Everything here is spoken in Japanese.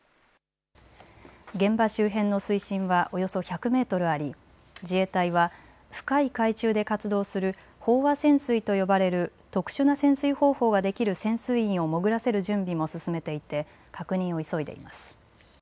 現場周辺の水深はおよそ１００メートルあり自衛隊は深い海中で活動する飽和潜水と呼ばれる特殊な潜水方法ができる潜水員を潜らせる準備も進めていて確認を急いでいます。